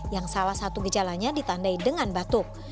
yang salah satu gejalanya ditandai dengan batuk